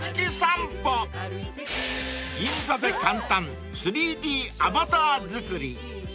［銀座で簡単３Ｄアバター作り］